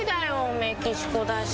メキシコだし。